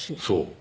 そう。